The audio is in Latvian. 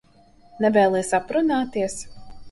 Nevēlies aprunāties?